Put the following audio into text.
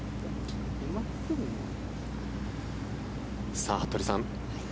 さあ、服部さん